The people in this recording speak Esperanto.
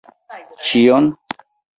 Ĉion?